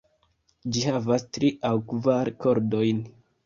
Ĝi havas tri aŭ kvar kordojn.